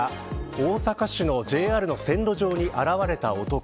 大阪市のＪＲの線路上に現れた男。